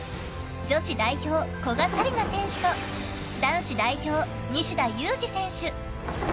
女子代表・古賀紗理那選手と男子代表・西田有志選手。